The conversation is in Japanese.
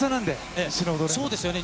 そうですよね。